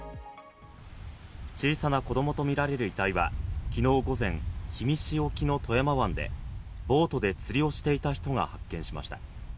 小さな子供とみられる遺体は昨日午前、氷見市沖の富山湾でボートで釣りをしていた人が発見しました。